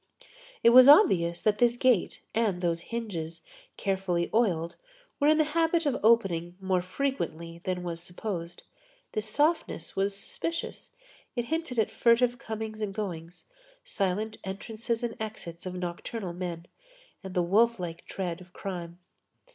It was obvious that this gate and those hinges, carefully oiled, were in the habit of opening more frequently than was supposed. This softness was suspicious; it hinted at furtive goings and comings, silent entrances and exits of nocturnal men, and the wolf like tread of crime.